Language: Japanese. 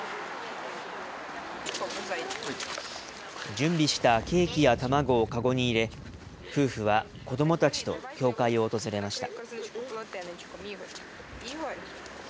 準備したケーキや卵を籠に入れ、夫婦は子どもたちと教会を訪れました。